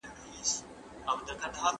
زه او ټوله نړۍ پوهېږي.